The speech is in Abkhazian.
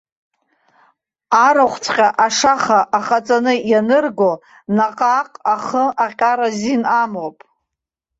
Арахәҵәҟьа, ашаха ахаҵаны ианырго, наҟааҟ ахы аҟьар азин амоуп!